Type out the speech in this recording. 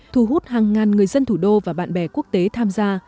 thu hút hàng ngàn người dân thủ đô và bạn bè quốc tế tham gia